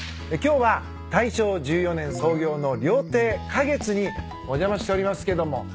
今日は大正１４年創業の料亭花月にお邪魔しておりますけども。